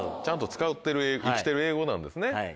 ちゃんと使ってる生きてる英語なんですね。